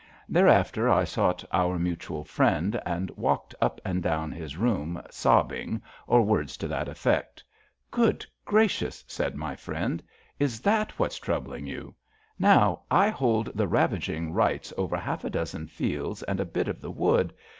Thereafter I sought our Mutual Friend and walked up and down his room sobbing, or words to that effect. ^* Good gracious !'' said my friend. " Is that what's troubling you? Now, I hold the ravaging rights over half a dozen fields and a bit of a wood.